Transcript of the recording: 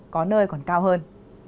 có nơi còn cao hơn